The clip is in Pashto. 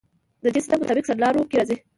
دې سیستم مطابق سرلارو کې راځي.